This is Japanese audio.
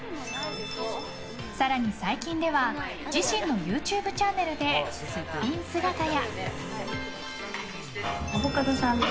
更に最近では、自身のＹｏｕＴｕｂｅチャンネルですっぴん姿や。